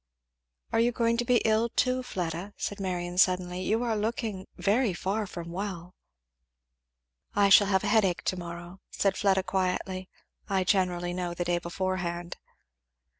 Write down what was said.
"Are you going to be ill too, Fleda?" said Marion suddenly. "You are looking very far from well!" "I shall have a headache to morrow," said Fleda quietly. "I generally know the day beforehand."